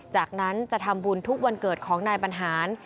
จากนั้นจะทำบุญทุกวันเกิดของนายบรรหาร